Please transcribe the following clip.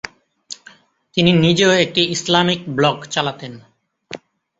তিনি নিজেও একটি ইসলামিক ব্লগ চালাতেন।